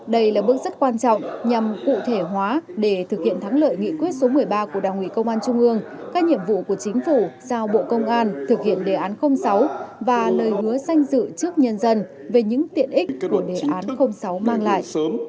đây là bước rất quan trọng nhằm cụ thể hóa để thực hiện thắng lợi nghị quyết số một mươi ba của đảng ủy công an trung ương các nhiệm vụ của chính phủ giao bộ công an thực hiện đề án sáu và lời hứa sanh dự trước nhân dân về những tiện ích của đề án sáu mang lại